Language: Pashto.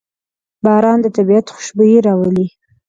باران د طبیعت خوشبويي راولي.